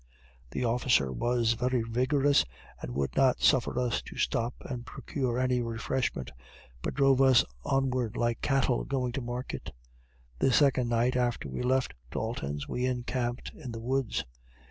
The officer was very rigorous, and would not suffer us to stop and procure any refreshment, but drove us onward like cattle going to market. The second night after we left Dalton's, we encamped in the woods.